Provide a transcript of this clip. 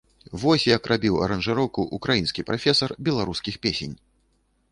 Вось як рабіў аранжыроўку ўкраінскі прафесар беларускіх песень!